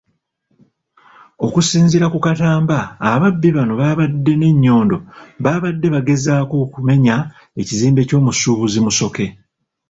Okusinziira ku Katamba, ababbi bano abaabadde n'ennyondo baabadde bagezaako okumenya ekizimbe ky'omusuubuzi Musoke.